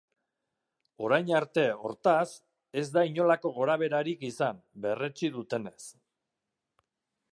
Orain arte, hortaz, ez da inolako gorabeherarik izan, berretsi dutenez.